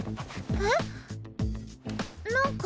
えっ？